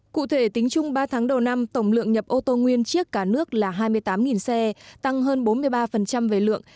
cụ thể tính chung ba tháng đầu năm tổng lượng nhập ô tô nguyên chiếc cả nước là hai mươi tám xe tăng hơn bốn mươi ba về lượng